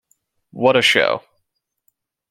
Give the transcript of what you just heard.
What a show!